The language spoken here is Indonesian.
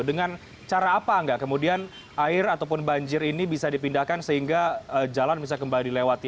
dengan cara apa angga kemudian air ataupun banjir ini bisa dipindahkan sehingga jalan bisa kembali lewati